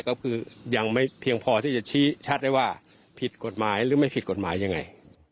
ก็คือยังไม่เพียงพอที่จะชี้ชัดได้ว่าผิดกฎหมายหรือไม่ผิดกฎหมายยังไง